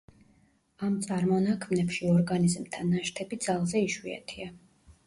ამ წარმონაქმნებში ორგანიზმთა ნაშთები ძალზე იშვიათია.